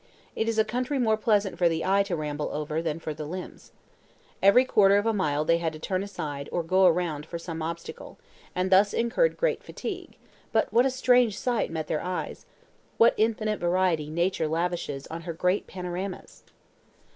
It is a country more pleasant for the eye to ramble over, than for the limbs. Every quarter of a mile they had to turn aside or go around for some obstacle, and thus incurred great fatigue; but what a strange sight met their eyes! What infinite variety nature lavishes on her great panoramas!